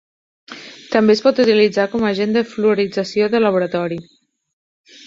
També es pot utilitzar com a agent de fluorització de laboratori.